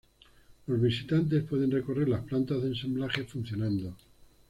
Los visitantes pueden recorrer la planta de ensamblaje funcionando.